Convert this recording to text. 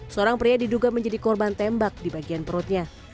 seorang pria diduga menjadi korban tembak di bagian perutnya